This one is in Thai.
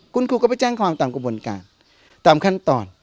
คุณครูก็ไปแจ้งความตามกระบวนการตามขั้นตอน